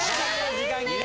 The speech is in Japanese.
時間切れ。